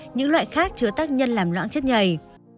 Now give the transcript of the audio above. những loại khác chứa tác nhân làm loãng chất nhầy